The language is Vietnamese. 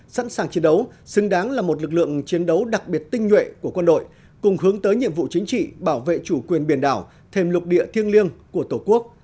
sẵn sàng chiến đấu xứng đáng là một lực lượng chiến đấu đặc biệt tinh nhuệ của quân đội cùng hướng tới nhiệm vụ chính trị bảo vệ chủ quyền biển đảo thêm lục địa thiêng liêng của tổ quốc